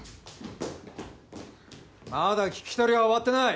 ・まだ聞き取りは終わってない。